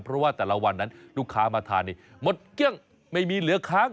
เพราะว่าแต่ละวันนั้นลูกค้ามาทานนี่หมดเกลี้ยงไม่มีเหลือค้าง